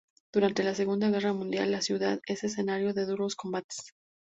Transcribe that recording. Durante la Segunda Guerra Mundial, la ciudad es escenario de duros combates.